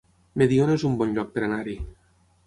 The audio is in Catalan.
Mediona es un bon lloc per anar-hi